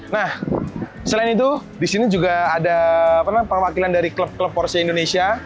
nah selain itu di sini juga ada perwakilan dari klub klub porsi indonesia